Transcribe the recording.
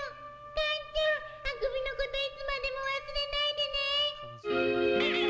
カンちゃん、アクビのこといつまでも忘れないでね。